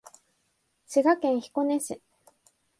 滋賀県彦根市